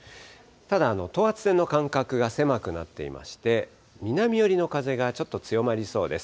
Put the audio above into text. ただ、等圧線の間隔が狭くなっていまして、南寄りの風がちょっと強まりそうです。